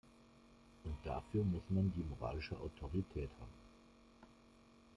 Und dafür muss man die moralische Autorität haben.